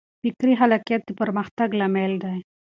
فکري خلاقیت د پرمختګ لامل دی.